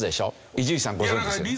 伊集院さんご存じですよね。